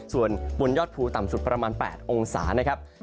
ส่วนบนยอดภูต่ำสุดประมาณ๘องศานะครับ